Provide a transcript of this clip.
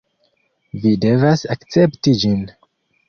Vi devas akcepti ĝin.